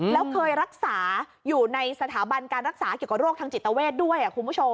แล้วเคยรักษาอยู่ในสถาบันการรักษาเกี่ยวกับโรคทางจิตเวทด้วยคุณผู้ชม